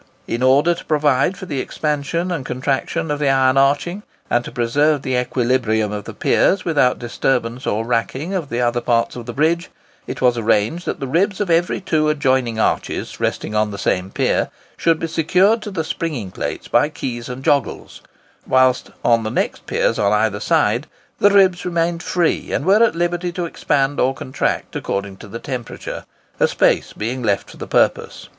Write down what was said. In order to provide for the expansion and contraction of the iron arching, and to preserve the equilibrium of the piers without disturbance or racking of the other parts of the bridge, it was arranged that the ribs of every two adjoining arches resting on the same pier should be secured to the springing plates by keys and joggles; whilst on the next piers on either side, the ribs remained free and were at liberty to expand or contract according to temperature—a space being left for the purpose.